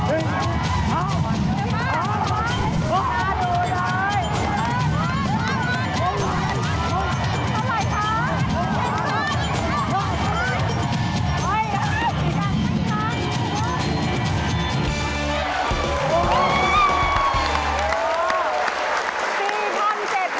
เท่าไหร่คะ